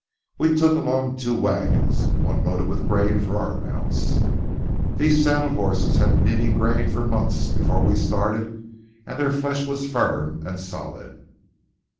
We took along two wagons, one loaded with grain for our mounts. These saddle horses had been eating grain for months before we started and their flesh was firm and solid.